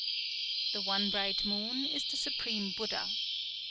_" The "One Bright Moon" is the Supreme Buddha.